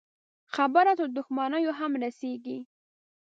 خبره تر دښمنيو هم رسېږي.